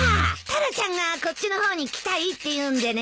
タラちゃんがこっちの方に来たいって言うんでね。